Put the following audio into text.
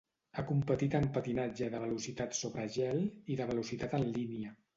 Ha competit en patinatge de velocitat sobre gel i de velocitat en línia.